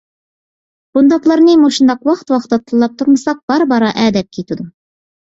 بۇنداقلارنى مۇشۇنداق ۋاقتى-ۋاقتىدا تىللاپ تۇرمىساق، بارا-بارا ئەدەپ كېتىدۇ.